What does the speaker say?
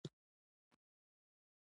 • د انګورو پوستکی ډېر نری وي.